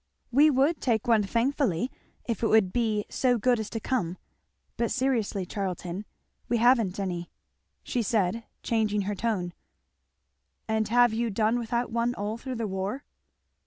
"We would take one thankfully if it would be so good as to come; but seriously, Charlton, we haven't any," she said changing her tone. "And have you done without one all through the war?"